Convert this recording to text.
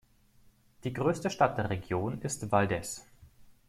Die größte Stadt der Region ist Valdez.